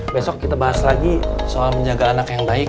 besok kita bahas lagi soal menjaga anak yang baik